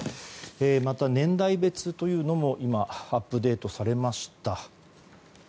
また年代別というのもアップデートされました。